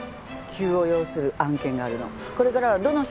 急を要する案件があるの。